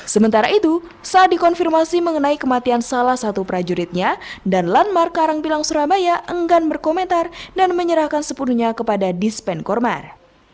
sementara itu saat dikonfirmasi mengenai kematian salah satu prajuritnya dan lanmar karangpilang surabaya enggan berkomentar dan menyerahkan sepenuhnya kepada dispen kormar